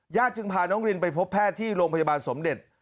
จึงพาน้องรินไปพบแพทย์ที่โรงพยาบาลสมเด็จ